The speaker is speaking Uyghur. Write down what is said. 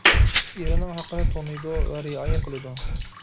ئېرىنىڭ ھەققىنى تونۇيدۇ ۋە رىئايە قىلىدۇ.